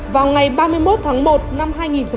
vào ngày ba mươi một tháng một năm hai nghìn một mươi chín